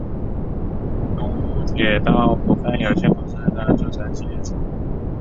东武铁道股份有限公司的组成企业之一。